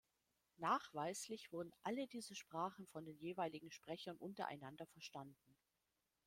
Nachweislich wurden alle diese Sprachen von den jeweiligen Sprechern untereinander verstanden.